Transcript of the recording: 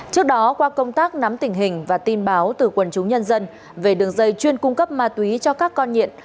trước đó qua công tác nắm tình hình và tin báo từ quần chúng nhân dân về đường dây chuyên cung cấp ma túy cho các con nghiện